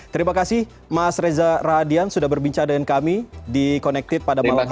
terima kasih mas reza radian sudah berbincang dengan kami di connected pada malam hari ini